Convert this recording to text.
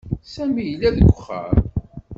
Sami yella deg uxxam.